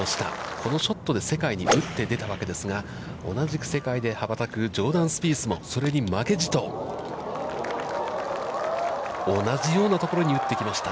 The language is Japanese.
このショットで世界に打って出たわけですが、同じく世界で羽ばたくジョーダン・スピースも、それに負けじと同じようなところに打ってきました。